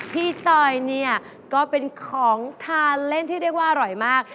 จอยเนี่ยก็เป็นของทานเล่นที่เรียกว่าอร่อยมาก